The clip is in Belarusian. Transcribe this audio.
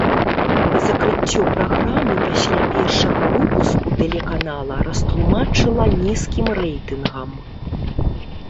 Закрыццё праграмы пасля першага выпуску тэлеканала растлумачыла нізкім рэйтынгам.